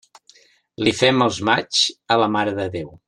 Li fem els maigs a la Mare de Déu.